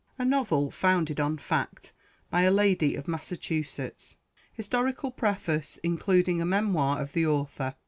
A NOVEL: FOUNDED ON FACT. BY A LADY OF MASSACHUSETTS. HISTORICAL PREFACE, INCLUDING A MEMOIR OF THE AUTHOR.